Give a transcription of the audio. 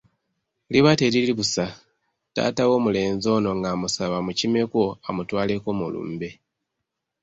Liba teriri busa, taata w'omulenzi ono ng'amusaba amukimeko amutwaleko mu lumbe